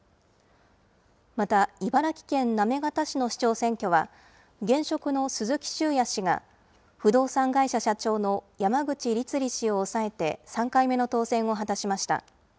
また茨城県行方市の市長選挙は、現職の鈴木周也氏が不動産会社社長の山口律理氏を抑えて３回目の当選を果たしました。